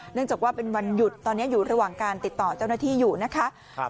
จากว่าเป็นวันหยุดตอนนี้อยู่ระหว่างการติดต่อเจ้าหน้าที่อยู่นะคะ